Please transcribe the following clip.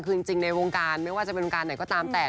คือจริงในวงการไม่ว่าจะเป็นวงการไหนก็ตามแต่